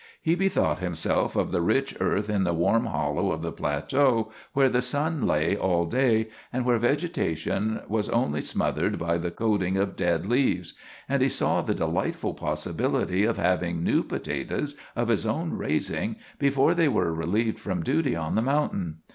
He bethought himself of the rich earth in the warm hollow of the plateau, where the sun lay all day, and where vegetation was only smothered by the coating of dead leaves; and he saw the delightful possibility of having new potatoes, of his own raising, before they were relieved from duty on the mountain.